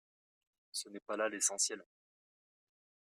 Ce n’est pas là l’essentiel